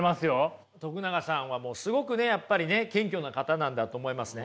永さんはもうすごくねやっぱりね謙虚な方なんだと思いますね。